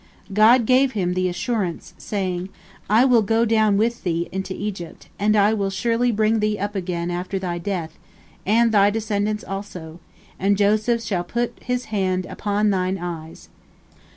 God gave him the assurance, saying, "I will go down with thee into Egypt, and I will surely bring thee up again after thy death, and thy descendants also, and Joseph shall put his hand upon thine eyes."